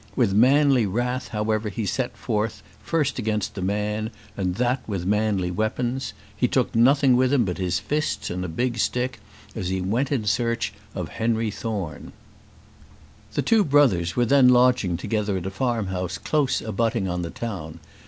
With manly wrath, however, he set forth, first against the man, and that with manly weapons. He took nothing with him but his fists and a big stick as he went in search of Henry Thorne. The two brothers were then lodging together at a farm house close abutting on the town.